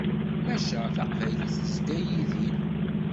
Maca, Taqbaylit tezga yid-i.